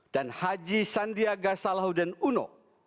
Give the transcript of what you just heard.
dan haji sandiaga salahuddin uno